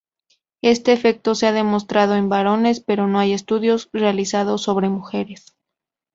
Este efecto se ha demostrado en varones pero no hay estudios realizados sobre mujeres.